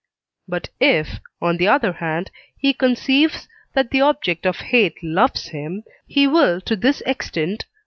But if, on the other hand, he conceives that the object of hate loves him, he will to this extent (III.